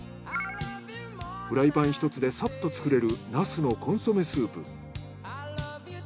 フライパン１つでサッと作れるナスのコンソメスープ。